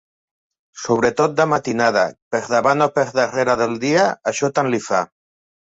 Sobretot de matinada, per davant o per darrere del dia, això tant li fa.